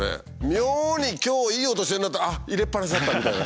妙に今日いい音してるなってあっ入れっぱなしだったみたいな。